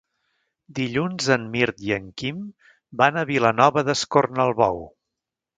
Dilluns en Mirt i en Quim van a Vilanova d'Escornalbou.